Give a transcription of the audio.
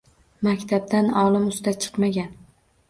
Maktabdan olim usta chiqmagan.